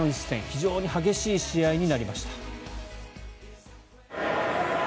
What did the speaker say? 非常に激しい試合になりました。